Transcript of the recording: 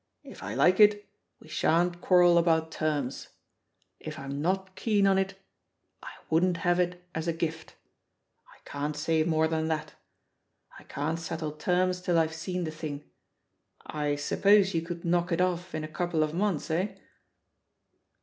If I like it, we shan't quarrel about terms ; if I'm not keen on it, I wouldn't have it as a gift. I can't say more than that. I can't settle terms till I've seen the thing. I suppose you could knock it off in a couple of months, eh?"